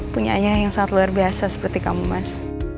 punyanya yang sangat luar biasa seperti kamu mas